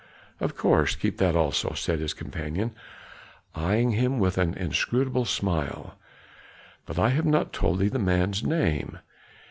"Of course, keep that also," said his companion, eying him with an inscrutable smile. "But I have not told thee the man's name.